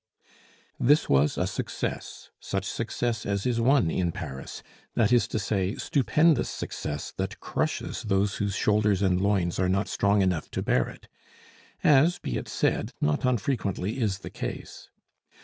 This was a success, such success as is won in Paris, that is to say, stupendous success, that crushes those whose shoulders and loins are not strong enough to bear it as, be it said, not unfrequently is the case.